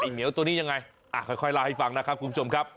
เหมียวตัวนี้ยังไงค่อยเล่าให้ฟังนะครับคุณผู้ชมครับ